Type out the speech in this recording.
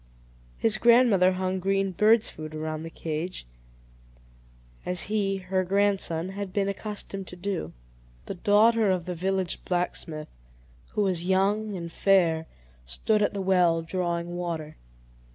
His grandmother hung green birds' food around the cage, as he, her grandson, had been accustomed to do. The daughter of the village blacksmith, who was young and fair, stood at the well, drawing water.